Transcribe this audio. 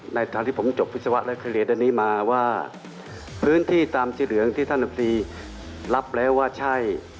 ทางที่ผมจบวิศวะและเคยเรียนอันนี้มาว่าพื้นที่ตามสีเหลืองที่ท่านลำตรีรับแล้วว่าใช่